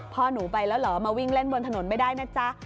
พ่อหนูไปแล้วเหรอมาวิ่งเล่นบนถนนไม่ได้นะจ๊ะ